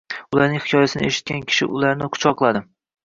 Ularning hikoyasini eshitgan kishi ularni quchoqladi va